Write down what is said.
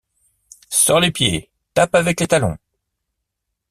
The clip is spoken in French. Sors les pieds, tape avec les talons.